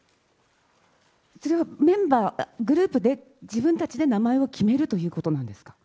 それはメンバー、グループで、自分たちで名前を決めるということなんですか。